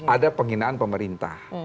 ada penghinaan pemerintah